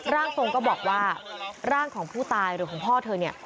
ร่างทรงก็บอกว่าร่างของผู้ตายหรือของพ่อเธอเนี่ย